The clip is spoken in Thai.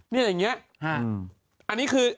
นี่แบบนี้